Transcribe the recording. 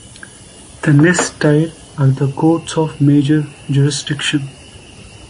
The next tier are the courts of major jurisdiction.